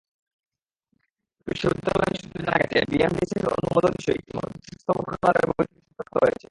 বিশ্ববিদ্যালয় সূত্রে জানা গেছে, বিএমডিসির অনুমোদনের বিষয়ে ইতিমধ্যে স্বাস্থ্য মন্ত্রণালয়ের বৈঠকে সিদ্ধান্ত হয়েছে।